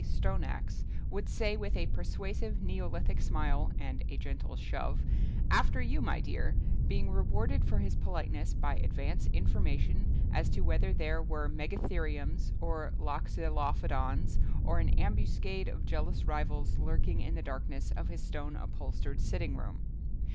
Stoneaxe would say with a persuasive Neolithic smile (and gentle shove) "After you my dear," being rewarded for his politeness by advance information as to whether there were Megatheriums or Loxolophodons or an ambuscade of jealous rivals lurking in the darkness of his stone upholstered sitting room.